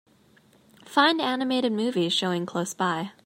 Find animated movies showing close by.